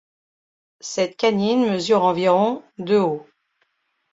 Cette canine mesure environ de haut.